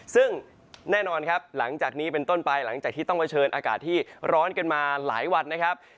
ซึ่งแน่นอนครับหลังจากนี้เป็นต้นไปหลังจากที่ต้องเผชิญอากาศที่ร้อนกันมาหลายวันนะครับ